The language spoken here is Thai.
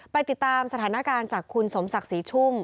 ติดตามสถานการณ์จากคุณสมศักดิ์ศรีชุ่ม